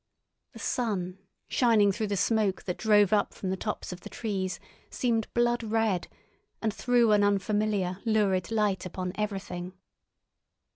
The sun, shining through the smoke that drove up from the tops of the trees, seemed blood red, and threw an unfamiliar lurid light upon everything.